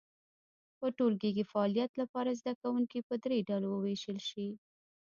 په ټولګي کې فعالیت لپاره زده کوونکي په درې ډلو وویشل شي.